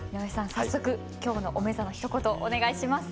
早速今日のおめざのひと言お願いします。